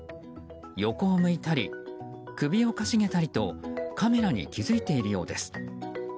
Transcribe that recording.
横を向いたり、首を傾げたりとカメラに気付いているようです。